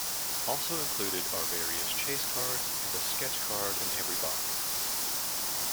Also included are various chase cards and a sketch card in every box.